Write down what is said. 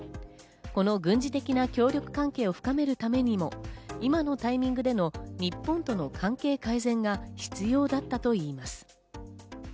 この軍事的な協力関係を深めるためにも今のタイミングでの日本との関係改善が必要だったといいます。